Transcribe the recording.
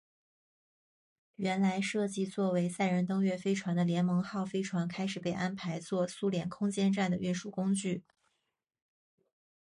原来设计做为载人登月飞船的联盟号飞船开始被安排做苏联空间站的运输工具。